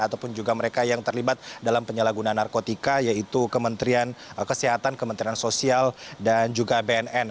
ataupun juga mereka yang terlibat dalam penyalahgunaan narkotika yaitu kementerian kesehatan kementerian sosial dan juga bnn